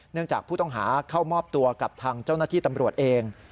จากผู้ต้องหาเข้ามอบตัวกับทางเจ้าหน้าที่ตำรวจเอง